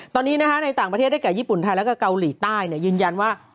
ตอนนี้ในต่างประเทศได้แก่ญี่ปุ่นไทยแล้วก็เกาหลีใต้ยืนยันว่า